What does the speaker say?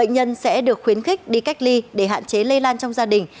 bệnh nhân sẽ được khuyến khích đi cách ly để hạn chế lây lan trong gia đình